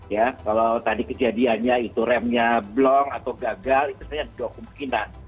ya kalau tadi kejadiannya itu remnya blong atau gagal itu sebenarnya dua kemungkinan